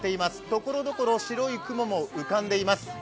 ところどころ白い雲も浮かんでいます。